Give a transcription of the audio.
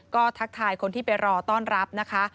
ก็ทักทายคนที่ไปรอต้อนรับนะคะ